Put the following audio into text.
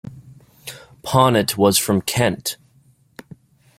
Ponet was from Kent.